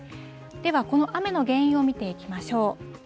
では、この雨の原因を見ていきましょう。